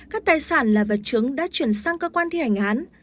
các tài sản là vật chứng đã chuyển sang cơ quan thi hành án